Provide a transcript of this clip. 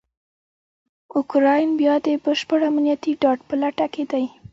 اوکرایین بیا دبشپړامنیتي ډاډ په لټه کې دی.